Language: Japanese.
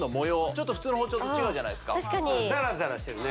ちょっと普通の包丁と違うじゃないですかザラザラしてるね